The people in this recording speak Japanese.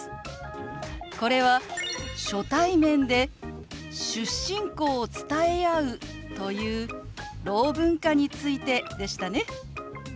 これは初対面で出身校を伝え合うというろう文化についてでしたね。